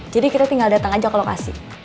jadi kita tinggal dateng aja ke lokasi